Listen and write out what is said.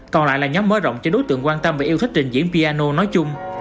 còn lại là nhóm mở rộng cho đối tượng quan tâm và yêu thích trình diễn piano nói chung